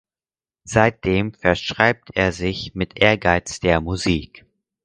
Seitdem verschreibt er sich mit Ehrgeiz der Musik.